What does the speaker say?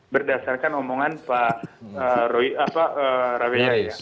berdasarkan omongan pak raveh